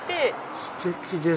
ステキです！